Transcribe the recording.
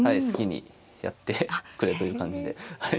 好きにやってくれという感じで。